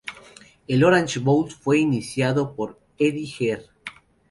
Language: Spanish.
El Orange Bowl fue iniciado por Eddie Herr.